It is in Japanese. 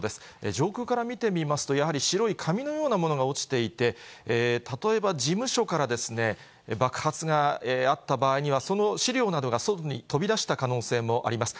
上空から見てみますと、やはり白い紙のようなものが落ちていて、例えば事務所から爆発があった場合には、その資料などが外に飛び出した可能性もあります。